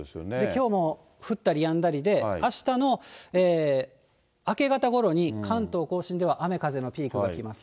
きょうも降ったりやんだりで、あしたの明け方ごろに、関東甲信では雨風のピークが来ます。